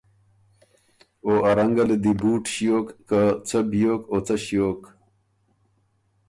او ا رنګه له دی بُوټ ݭیوک که څه بیوک او څه ݭیوک۔